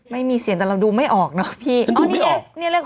ไม่มีเสียงแต่เราดูไม่ออกหรอพี่นี่เลข๖